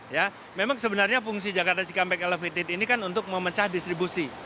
ya memang sebenarnya fungsi jakarta cikampek elevated ini kan untuk memecah distribusi